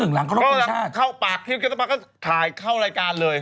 ๑๘๐๑หลังก็รบคุณชาติก็เข้าปากที่ก็ถ่ายเข้ารายการเลย